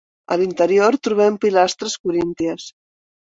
A l'interior trobem pilastres corínties.